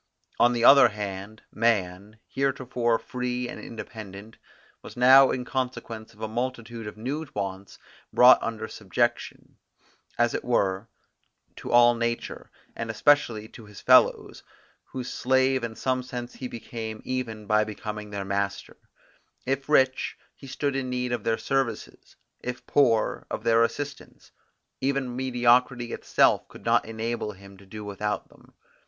On the other hand, man, heretofore free and independent, was now in consequence of a multitude of new wants brought under subjection, as it were, to all nature, and especially to his fellows, whose slave in some sense he became even by becoming their master; if rich, he stood in need of their services, if poor, of their assistance; even mediocrity itself could not enable him to do without them.